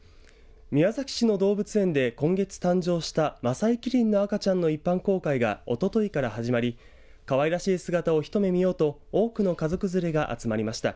宮崎市の動物園で今月誕生したマサイキリンの赤ちゃんの一般公開が、おとといから始まりかわいらしい姿を一目見ようと多くの家族連れが集まりました。